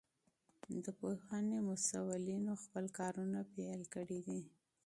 د پوهنې مسئولينو خپل کارونه پيل کړي دي.